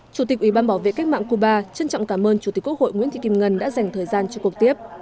chủ tịch ủy ban bảo vệ cách mạng cuba trân trọng cảm ơn chủ tịch quốc hội nguyễn thị kim ngân đã dành thời gian cho cuộc tiếp